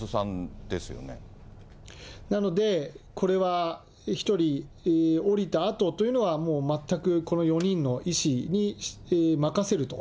なので、これは１人降りたあとというのは、もう全くこの４人の意思に任せると。